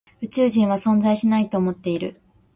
宇宙人は存在しないと思っている。